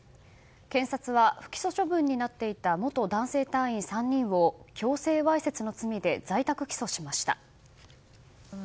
検察は不起訴処分になっていた元男性隊員３人を強制わいせつの罪で在宅起訴しました。